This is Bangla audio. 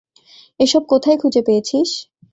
এসব কোথায় খুঁজে পেয়েছিস?